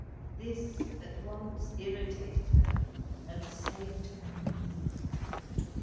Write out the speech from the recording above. This at once irritated her and saved her.